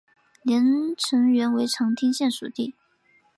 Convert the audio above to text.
连城原为长汀县属地。